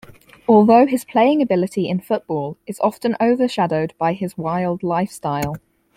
Although his playing ability in football is often overshadowed by his wild lifestyle.